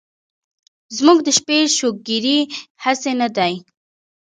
زمونږ د شپې شوګيرې هسې نه دي